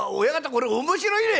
これ面白いね！」。